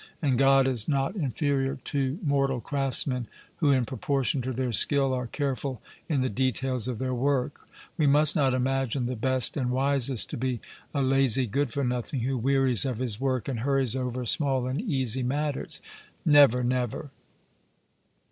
And God is not inferior to mortal craftsmen, who in proportion to their skill are careful in the details of their work; we must not imagine the best and wisest to be a lazy good for nothing, who wearies of his work and hurries over small and easy matters. 'Never, never!'